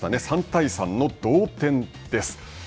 ３対３の同点です。